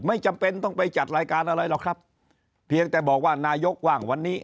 ไม่จำเป็นต้องไปจัดรายการอะไรหรอกครับเพียงแต่บอกว่านายกว่างวันนี้